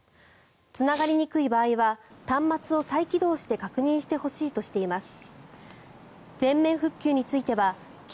つながりにくい場合は端末を再起動して確認してほしいとしています。